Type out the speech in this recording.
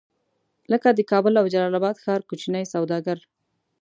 لکه د کابل او جلال اباد ښار کوچني سوداګر.